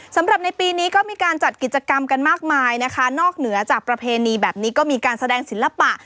สำหรับในปีนี้ก็มีการจัดกิจกรรมกันมากมายนะคะนอกเหนือจากประเพณีแบบนี้ก็มีการแสดงศิลปะ